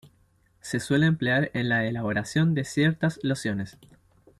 Se suele emplear en la elaboración de ciertas lociones.